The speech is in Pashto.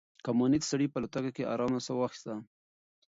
کمونيسټ سړي په الوتکه کې د ارام ساه واخيسته.